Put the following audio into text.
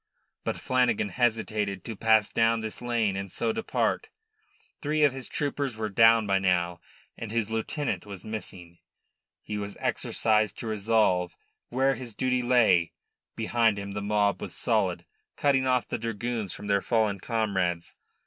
But Flanagan hesitated to pass down this lane and so depart. Three of his troopers were down by now, and his lieutenant was missing. He was exercised to resolve where his duty lay. Behind him the mob was solid, cutting off the dragoons from their fallen comrades.